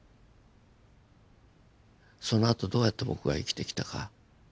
そのあとどうやって僕が生きてきたか。